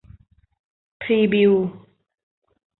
พรีบิลท์